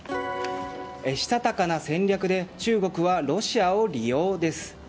したたかな戦略で中国はロシアを利用？です。